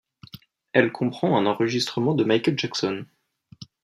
Elle comprend un enregistrement de Michael Jackson.